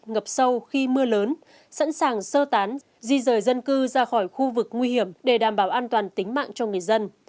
ngập sâu khi mưa lớn sẵn sàng sơ tán di rời dân cư ra khỏi khu vực nguy hiểm để đảm bảo an toàn tính mạng cho người dân